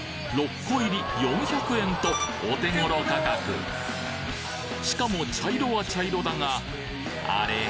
６個入り４００円とお手頃価格しかも茶色は茶色だがあれ？